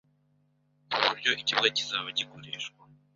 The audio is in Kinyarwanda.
ku buryo ikibuga kizaba gikoreshwa